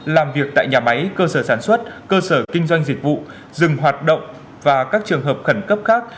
làm việc tại nhà máy cơ sở sản xuất cơ sở kinh doanh dịch vụ dừng hoạt động và các trường hợp khẩn cấp khác